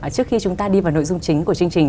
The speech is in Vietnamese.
trước khi chúng ta đi vào nội dung chính của chương trình